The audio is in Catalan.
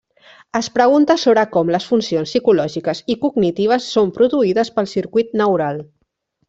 Es pregunta sobre com les funcions psicològiques i cognitives són produïdes pel circuit neural.